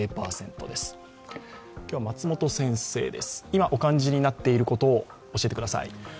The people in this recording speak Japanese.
今、お感じになっていることを教えてください。